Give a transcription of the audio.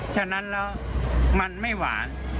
ฉะนั้นแล้วมันไม่หวาน